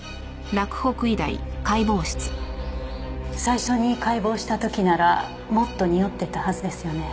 最初に解剖した時ならもっとにおってたはずですよね？